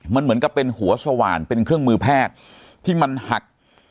มันเหมือนกับเป็นหัวสว่านเป็นเครื่องมือแพทย์ที่มันหัก